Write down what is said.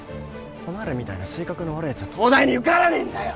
お前らみたいな性格の悪いやつは東大に受からねえんだよ！